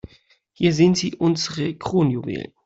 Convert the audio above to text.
Hier sehen Sie unsere Kronjuwelen.